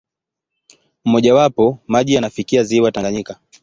Mmojawapo, maji yanafikia ziwa Tanganyika.